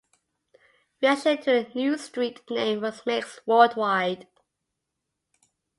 Reaction to the new street name was mixed worldwide.